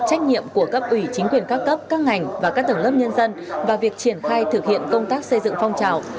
trách nhiệm của cấp ủy chính quyền các cấp các ngành và các tầng lớp nhân dân và việc triển khai thực hiện công tác xây dựng phong trào